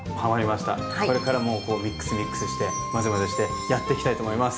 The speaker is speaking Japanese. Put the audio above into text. これからもミックスミックスしてまぜまぜしてやっていきたいと思います。